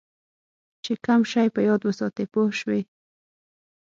چې کم شی په یاد وساتې پوه شوې!.